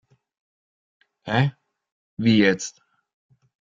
Hä, wie jetzt?